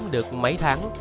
được mấy tháng